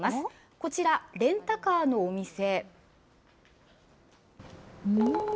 こちら、レンタカーのお店。